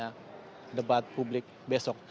kepada debat publik besok